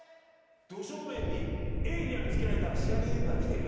ど正面にエイリアンにつけられたシガニー・ウィーバー来てる？